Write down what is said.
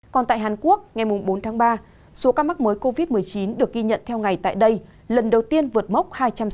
còn tại hàn quốc ngày bốn tháng ba số ca mắc mới covid một mươi chín được ghi nhận theo ngày tại đây lần đầu tiên vượt mốc hai trăm sáu mươi chín